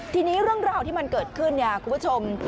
ทีนี้เรื่องราวที่มันเกิดขึ้นเนี่ยคุณผู้ชม